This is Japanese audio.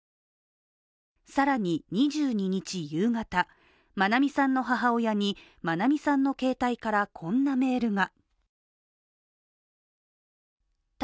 更に２２日夕方、愛美さんの母親に愛美さんの携帯からこんなメールが。